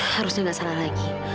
harusnya gak salah lagi